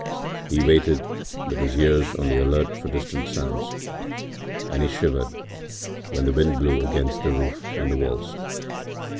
He waited, with his ears on the alert for distant sounds, and he shivered when the wind blew against the roof and the walls.